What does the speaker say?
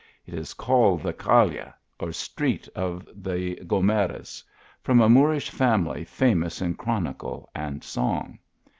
It is called the Calle, or street of the Gomeres : from a Moorish family, famous in chronicle and song.